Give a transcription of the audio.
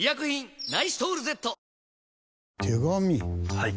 はい。